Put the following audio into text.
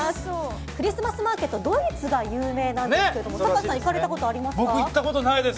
クリスマスマーケットドイツが有名なんですが酒井さん行かれたこと僕ないです。